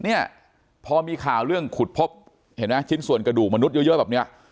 เนี่ยพอมีข่าวเรื่องขุดพบเห็นไหมชิ้นส่วนกระดูกมนุษย์เยอะแบบเนี้ย